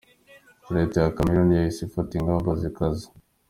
Leta ya Cameroun yahise ifata ingamba zikaze.